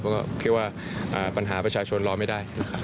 เพราะว่าคิดว่าปัญหาประชาชนรอไม่ได้